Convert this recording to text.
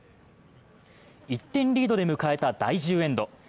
１点リードで迎えた第１０エンド。